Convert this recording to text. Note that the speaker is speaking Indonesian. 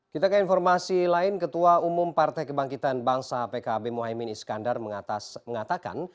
kita ke informasi lain ketua umum partai kebangkitan bangsa pkb mohaimin iskandar mengatakan